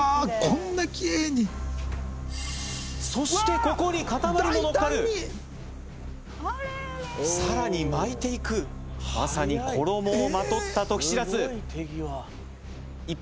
こんなきれいにそしてここに塊も載っかる大胆にあれれれさらに巻いていくまさに衣をまとった時不知すごい